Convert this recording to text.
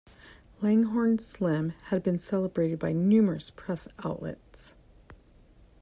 Langhorne Slim has been celebrated by numerous press outlets.